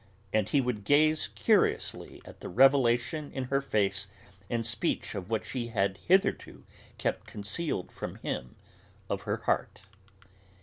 and he would gaze curiously at the revelation in her face and speech of what she had hitherto kept concealed from him of her heart.